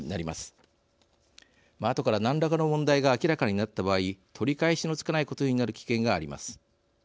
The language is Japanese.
あとから何らかの問題が明らかになった場合取り返しのつかないことになる危険があります。